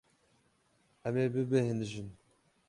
Em ê bibêhnijin.